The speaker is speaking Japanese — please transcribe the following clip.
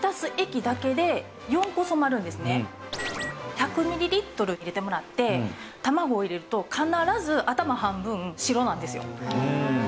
１００ミリリットル入れてもらってたまごを入れると必ず頭半分白なんですよ。